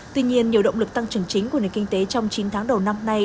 tuy nhiên nhiều động lực tăng trưởng chính của nền kinh tế trong chín tháng đầu năm nay